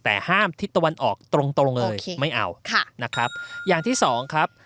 แต่ห้ามทิศตะวันออกตรงตรงเลยไม่เอาค่ะนะครับอย่างที่สองครับ